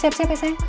siap siap ya sayang